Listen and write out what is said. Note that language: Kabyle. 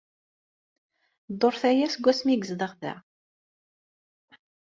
Dduṛt aya seg wasmi ay yezdeɣ da.